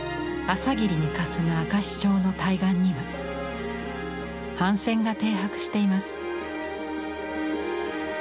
朝霧にかすむ明石町の対岸には帆船が停泊しています。